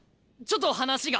ちょっと話が。